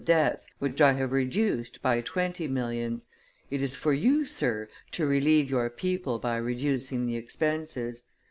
debts, which I have reduced by twenty millions. ... It is for you, Sir, to relieve your people by reducing the expenses.